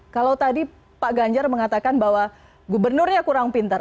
kalau tadi pak ganjar mengatakan bahwa gubernurnya kurang pintar